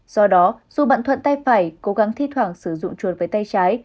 do đó dù bạn thuận tay phải cố gắng thi thoảng sử dụng chuồn với tay trái